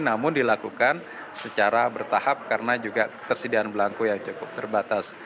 namun dilakukan secara bertahap karena juga ketersediaan belangku yang cukup terbatas